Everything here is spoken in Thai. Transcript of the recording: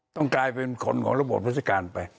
ต้องกลายเป็นคนของระบบราชการไป